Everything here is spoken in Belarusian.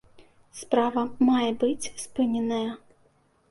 Справа мае быць спыненая.